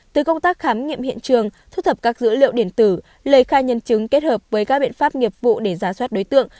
từ công tác khám nghiệm hiện trường thu thập các dữ liệu điện tử lời khai nhân chứng kết hợp với các biện pháp nghiệp vụ để giả soát đối tượng